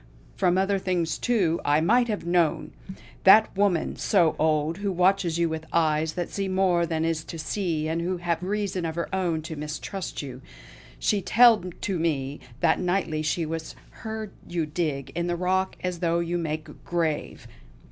From other things, too, I might have known! That woman, so old, who watches you with eyes that see more than is to see, and who have reason of her own to mistrust you, she telled to me that nightly she has heard you dig in the rock as though you make grave.